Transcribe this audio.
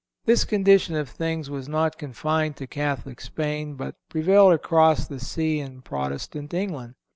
This condition of things was not confined to Catholic Spain, but prevailed across the sea in Protestant England.